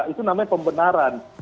itu namanya pembenaran